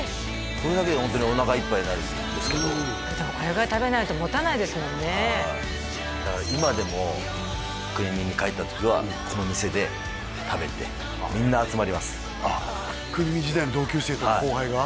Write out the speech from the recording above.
これだけでホントにおなかいっぱいになるんですけどでもこれぐらい食べないともたないですもんねだから今でも国見に帰った時はこの店で食べてみんな集まります国見時代の同級生とか後輩が？